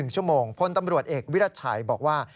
๑ชั่วโมงพลตำรวจเอกวิรัชัยบอกว่า